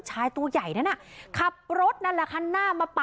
โดนสั่งแอป